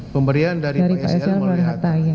pemberian dari pak sl melalui hatta